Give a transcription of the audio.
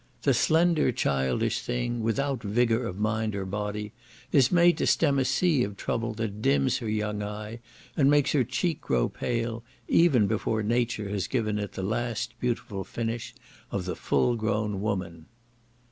The slender, childish thing, without vigour of mind or body, is made to stem a sea of troubles that dims her young eye and makes her cheek grow pale, even before nature has given it the last beautiful finish of the full grown woman.